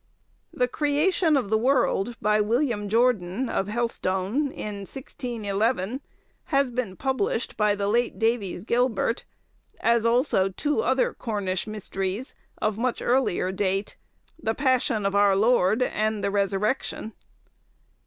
The 'Creation of the World,' by William Jordan, of Helstone, in 1611, has been published by the late Davies Gilbert, as also two other Cornish mysteries, of much earlier date, 'The Passion of our Lord,' and the 'Resurrection.